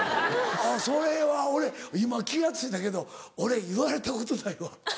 それは俺今気が付いたけど俺言われたことないわ。